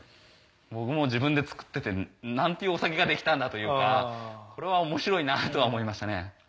僕も自分で造ってて何というお酒ができたんだというかこれは面白いなとは思いましたね。